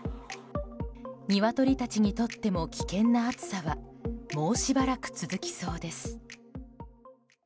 ニワトリたちにとっても危険な暑さはもうしばらく続きそうです。